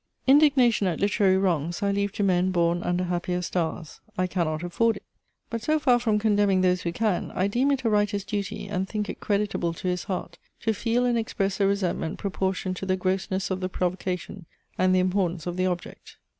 Indignation at literary wrongs I leave to men born under happier stars. I cannot afford it. But so far from condemning those who can, I deem it a writer's duty, and think it creditable to his heart, to feel and express a resentment proportioned to the grossness of the provocation, and the importance of the object.